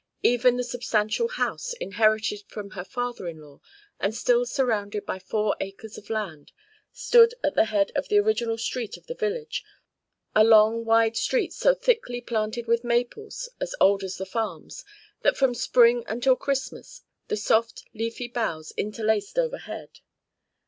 Even the substantial house, inherited from her father in law, and still surrounded by four acres of land, stood at the head of the original street of the village, a long wide street so thickly planted with maples as old as the farms that from spring until Christmas the soft leafy boughs interlaced overhead.